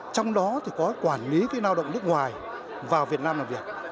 trong đó thì có quản lý lao động nước ngoài vào việt nam làm việc